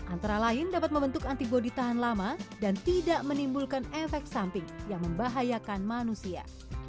antara lain dapat membentuk antibody tahan lama dan tidak menimbulkan efek samping yang membahayakan manusia